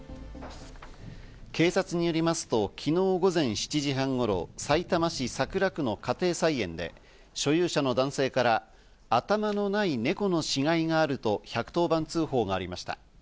警察によりますと、昨日午前７時半頃、さいたま市桜区の家庭菜園で所有者の男性から、頭のない猫の死骸があると１１０番通報がありました。